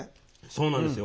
そうなんですよ。